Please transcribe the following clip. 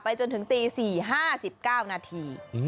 จนถึงตี๔๕๙นาที